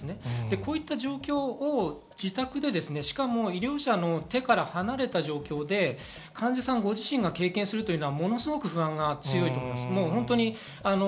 こういう状況を自宅で、しかも医療者の手から離れた状況で患者さんご自身が経験するのはものすごく不安が強いと思います。